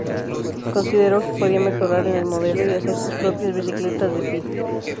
Consideró que podía mejorar en el modelo y hacer sus propias bicicletas de pit.